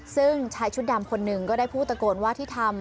ซึ่งชายชุดดำคนหนึ่งก็ได้พูดตะโกนว่าที่ทำ